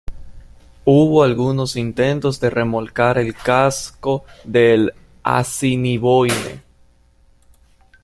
Hubo algunos intentos de remolcar el casco del "Assiniboine".